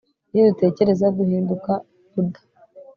ibyo dutekereza, duhinduka. - buda